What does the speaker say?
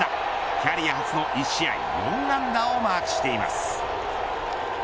キャリア初の１試合４安打をマークしています。